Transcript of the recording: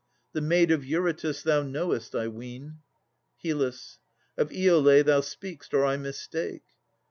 The maid of Eurytus thou knowest, I ween. HYL. Of Iolè thou speak'st, or I mistake.